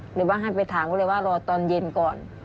หรือบ้างให้ไปถามเขาเลยว่ารอตอนเย็นก่อน